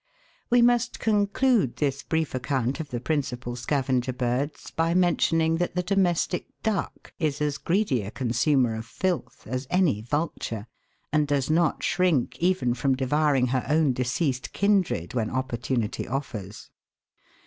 We must conclude this brief account of the principal scavenger birds by mentioning that the domestic Duck is as greedy a consumer of filth as any vulture, and does not shrink even from devouring her own deceased kindred when opportunity offers.